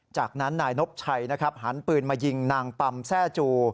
จากนั้นนายนบชัยนะครับหันปืนมายิงนางปำแซ่จู